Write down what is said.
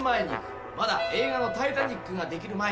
まだ映画の『タイタニック』ができる前だ。